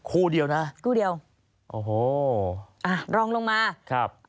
ครู่เดียวนะคู่เดียวโอโหรองลงมา